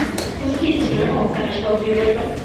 তুমিও কি জান তার সব বিবরণ?